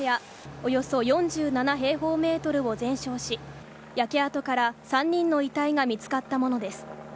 およそ４７平方メートルを全焼し、焼け跡から３人の遺体が見つかったものです。